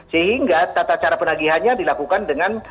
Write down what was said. sehingga tata cara penagihannya dilakukan dengan